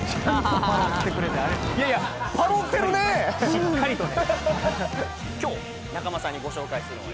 しっかりとね